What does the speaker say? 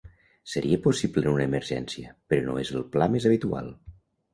Seria possible en una emergència, però no és el pla més habitual.